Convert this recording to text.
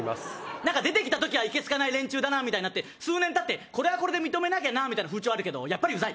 なんか出てきたときはいけ好かない連中だなみたいになって数年たって、これはこれで認めなきゃなあみたいな風潮あるけど、やっぱりうざい！